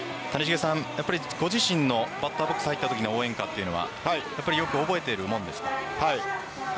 ご自身のバッターボックスに入ったときの応援歌というのはよく覚えているものですか？